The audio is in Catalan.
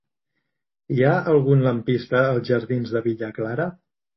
Hi ha algun lampista als jardins de Villa Clara?